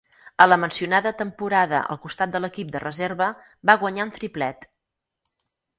A la mencionada temporada al costat de l'equip de reserva, va guanyar un triplet.